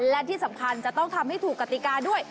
และที่สำคัญจะต้องทำให้ถูกกติกาด้วย